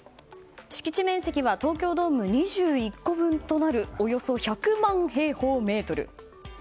敷地面積は東京ドーム２１個分となるおよそ１００万平方メートル。